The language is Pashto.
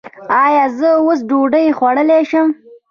ایا زه اوس ډوډۍ خوړلی شم؟